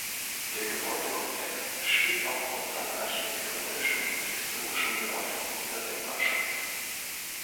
Der Gebäudekomplex steht aufgrund seiner architektonischen und historischen Bedeutung unter Denkmalschutz.